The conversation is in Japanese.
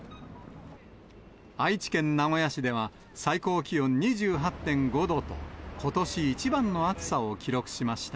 愛知県名古屋市では最高気温２８．５度と、ことし一番の暑さを記録しました。